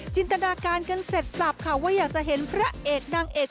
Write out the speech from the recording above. จินตนาการกันเสร็จสับค่ะว่าอยากจะเห็นพระเอกนางเอก